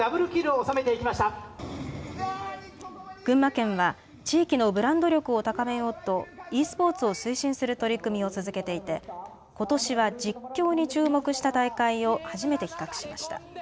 群馬県は地域のブランド力を高めようとｅスポーツを推進する取り組みを続けていてことしは実況に注目した大会を初めて企画しました。